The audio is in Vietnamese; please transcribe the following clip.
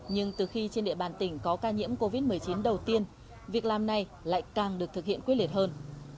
nhưng từ khi trên địa bàn tỉnh có ca nhiễm covid một mươi chín đầu tiên việc làm này lại càng được thực hiện quyết liệt hơn